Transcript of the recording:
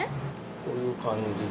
こういう感じで。